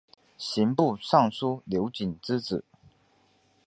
刑部尚书刘璟之子。